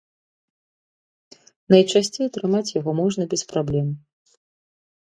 Найчасцей атрымаць яго можна без праблем.